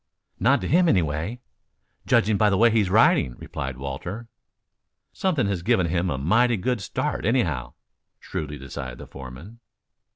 "Not to him, anyway, judging by the way he is riding," replied Walter. "Something has given him a mighty good start, anyhow," shrewdly decided the foreman.